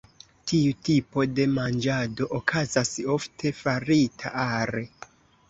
Tiu tipo de manĝado okazas ofte farita are.